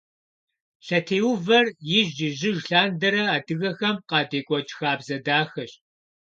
Лъэтеувэр ижь-ижьыж лъандэрэ адыгэхэм къадекӀуэкӀ хабзэ дахэщ.